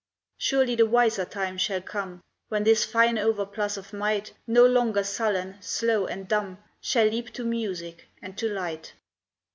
Surely the wiser time shall come When this fine overplus of might, No longer sullen, slow, and dumb, Shall leap to music and to light.